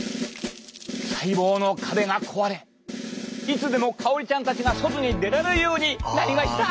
細胞の壁が壊れいつでもかおりちゃんたちが外に出られるようになりました。